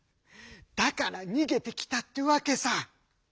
だから逃げてきたってわけさ」。